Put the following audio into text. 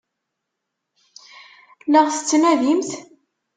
La ɣ-tettnadimt?